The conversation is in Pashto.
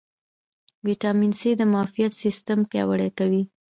ویټامین سي د معافیت سیستم پیاوړی کوي